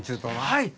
はい。